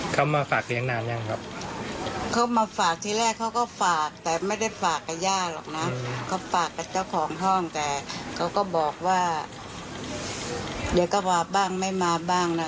เขาฝากกับเจ้าของห้องแต่เขาก็บอกว่าเดี๋ยวก็มาบ้างไม่มาบ้างนะ